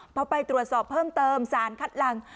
พอไปตรวจสอบเพิ่มเติมสารคัดหลัง